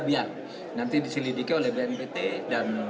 biar nanti diselidiki oleh bni dan kita bisa menilai keadaan dalam kemampuan ini